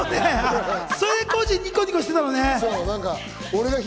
それで浩次、ニコニコしてたのね。